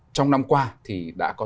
trong năm qua thì đã có